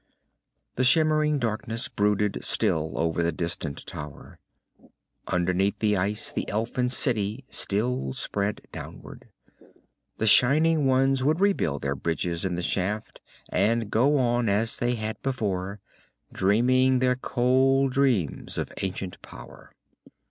The shimmering darkness brooded still over the distant tower. Underneath the ice, the elfin city still spread downward. The shining ones would rebuild their bridges in the shaft, and go on as they had before, dreaming their cold dreams of ancient power.